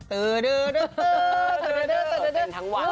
เต้นทั้งวัน